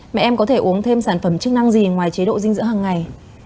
mẹ em có thể uống thêm sản phẩm chức năng gì ngoài chế độ dinh dưỡng hàng ngày